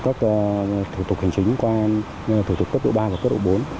các thủ tục hành chính qua thủ tục cấp độ ba và cấp độ bốn